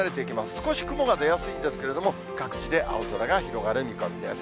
少し雲が出やすいんですけれども、各地で青空が広がる見込みです。